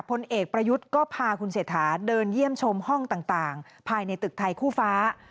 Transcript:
พลเอกประยุทธ์ก็พาคุณเศรษฐาเดินเยี่ยมชมห้องต่างภายในตึกไทยคู่ฟ้า